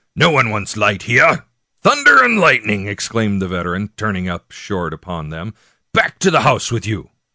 " No one wants light here !"" Thunder and lightning !" exclaimed the veteran, turn ing short upon them ;" back to the house with you